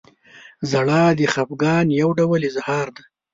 • ژړا د خفګان یو ډول اظهار دی.